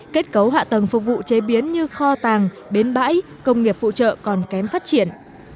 kết cấu hạ tầng phục vụ chế biến như kho tàng bến bãi công nghiệp phụ trợ còn kém phát triển